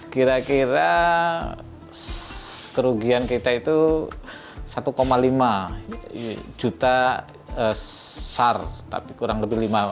kira kira kerugian kita itu satu lima juta sar tapi kurang lebih lima ratus